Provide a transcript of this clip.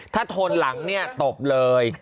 ถ้าโทนหลังเนี่ยตบเลย